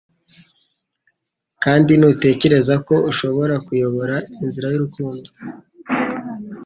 Kandi ntutekereze ko ushobora kuyobora inzira y'urukundo,